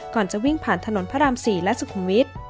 ก่อนจะวิ่งผ่านถนนพระราม๔และสุขุมวิทย์